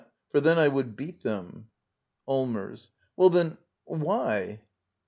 For then I would beat them. Allmers. Well, then — why —